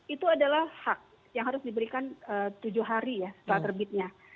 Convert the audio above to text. itu adalah hak yang harus diberikan tujuh hari ya setelah terbitnya